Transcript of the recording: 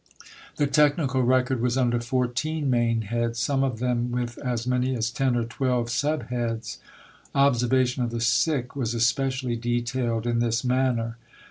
The Technical record was under fourteen main heads, some of them with as many as ten or twelve sub heads: "observation of the sick" was especially detailed in this manner.